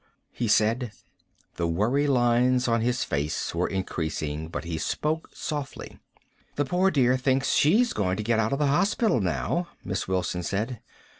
he said. The worry lines on his face were increasing, but he spoke softly. "The poor dear thinks she's going to get out of the hospital now," Miss Wilson said.